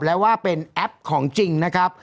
และว่าเป็นแอปของจริงนะครับ